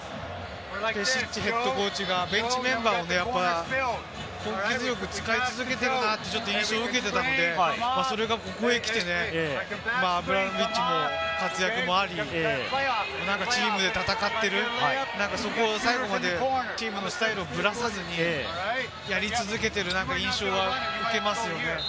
ペシッチＨＣがベンチメンバーをね、やっぱり根気強く使い続けてるなという印象を受けていたので、それがここへ来てね、アブラモビッチの活躍もあり、チームで戦っている、最後までチームのスタイルをぶらさずにやり続けている印象を受けますね。